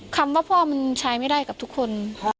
คำว่าพ่อมันใช้ไม่ได้กับทุกคน